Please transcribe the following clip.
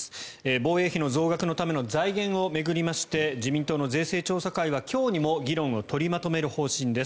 防衛費の増額のための財源を巡りまして自民党の税制調査会は今日にも議論を取りまとめる方針です。